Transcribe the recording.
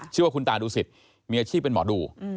ชื่อว่าคุณตาดูสิตมีอาชีพเป็นหมอดู